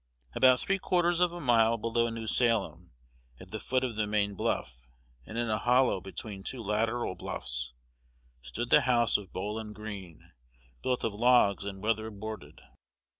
'" About three quarters of a mile below New Salem, at the foot of the main bluff, and in a hollow between two lateral bluffs, stood the house of Bowlin Greene, built of logs and weather boarded.